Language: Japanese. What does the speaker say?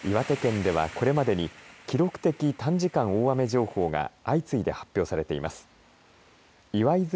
岩手県ではこれまでに記録的短時間大雨情報が相次いで発表されています。